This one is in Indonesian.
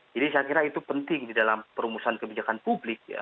jadi saya kira itu penting di dalam perumusan kebijakan publik ya